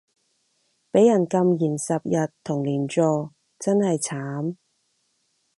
畀人禁言十日同連坐真係慘